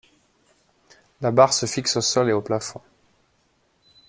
La barre se fixe au sol et au plafond.